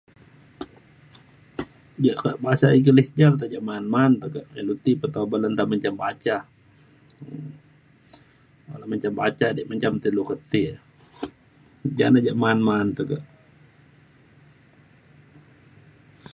ja ke bahasa English ja [unintelligible] ma’an ma’an tekak ilu ti pe te nta menjam baca. [unintelligible] menjam baca di menjam te lu ti e. ja nak ja ma’an ma’an tekak